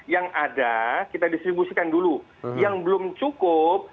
yang ada kita distribusikan dulu yang belum cukup